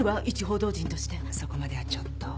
そこまではちょっと。